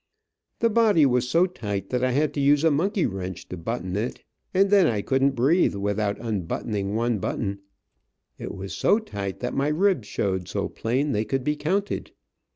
The body was so tight that I had to use a monkey wrench to button it, and then I couldn't breathe without unbuttoning one button. It was so tight that my ribs showed so plain they could be counted.